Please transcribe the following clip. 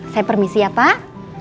saya permisi ya pak